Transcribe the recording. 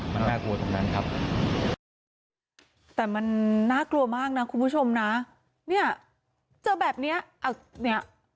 มันน่ากลัวตรงนั้นครับแต่มันน่ากลัวมากนะคุณผู้ชมนะเนี่ยเจอแบบเนี้ยเอาเนี้ย